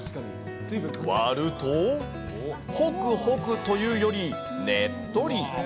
割ると、ほくほくというより、ねっとり。